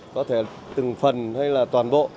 có thể từng phần hay là toàn bộ